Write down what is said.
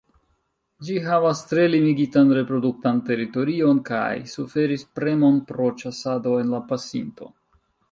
Ĝi havas tre limigitan reproduktan teritorion kaj suferis premon pro ĉasado en la pasinto.